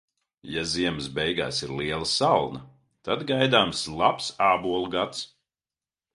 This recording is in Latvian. Ja ziemas beigās ir liela salna, tad gaidāms labs ābolu gads.